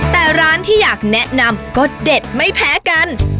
แต่ร้านที่อยากแนะนำก็เด็ดไม่แพ้กัน